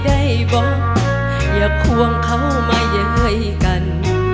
ได้บอกอย่าควงเขามาเย้ยกัน